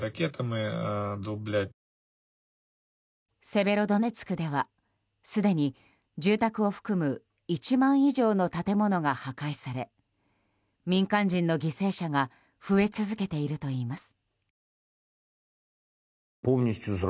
セベロドネツクではすでに住宅を含む１万以上の建物が破壊され民間人の犠牲者が増え続けているといいます。